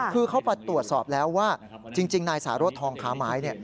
คือเขาไปตรวจสอบแล้วว่าจริงนายสารสทองค้าไม้